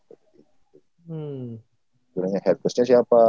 sebenernya head coachnya siapa